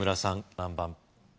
何番？